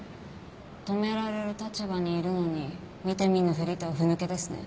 止められる立場にいるのに見て見ぬふりとはふ抜けですね。